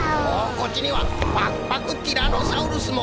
こっちにはパクパクティラノサウルスも。